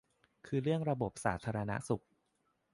คือเรื่องระบบสาธารณสุข